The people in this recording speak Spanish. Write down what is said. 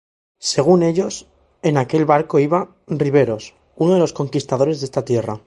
Según ellos, en aquel barco iba ""Riveros, uno de los conquistadores de esta tierra"".